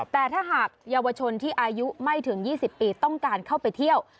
แต่ถ้าหากเยาวชนที่อายุไม่ถึง๒๐ปีต้องการเข้าไปเที่ยว